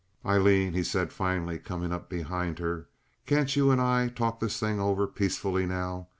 "Aileen," he said, finally, coming up behind her, "can't you and I talk this thing over peacefully now?